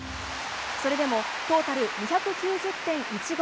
それでもトータル２９０．１５。